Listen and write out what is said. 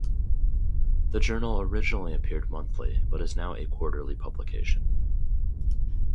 The journal originally appeared monthly but is now a quarterly publication.